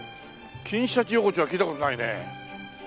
金シャチ横丁は聞いた事ないね。